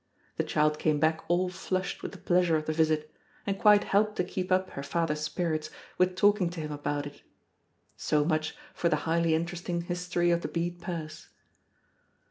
The child came back all flushed with the pleasure of the visit, and quite helped to keep up her father's spirits with talking to him about it. So much for the highly interesting history of the bead purse.